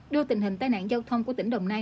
đưa tình hình tai nạn giao thông của tỉnh đồng nai